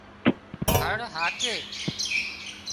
هۯ هاڪي